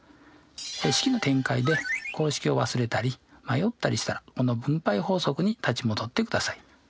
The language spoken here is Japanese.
式の展開で公式を忘れたり迷ったりしたらこの分配法則に立ち戻ってください。